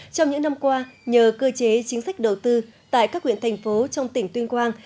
trong những năm qua nhờ cơ chế chính sách đầu tư tại các huyện thành phố trong tỉnh tuyên quang